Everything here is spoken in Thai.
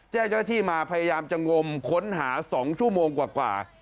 เจ้าหน้าที่มาพยายามจะงมค้นหา๒ชั่วโมงกว่า